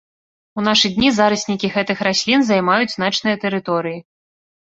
У нашы дні зараснікі гэтых раслін займаюць значныя тэрыторыі.